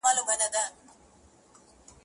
ځکه نو خپل لاسونه په رنګونو ولړي -